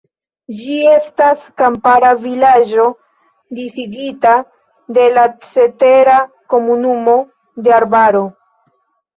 Ĝi estas kampara vilaĝo disigita de la cetera komunumo de arbaro.